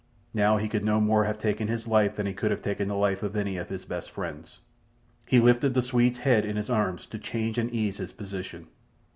Now he could no more have taken his life than he could have taken the life of any of his best friends. He lifted the Swede's head in his arms to change and ease his position.